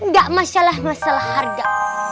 gak masalah masalah harga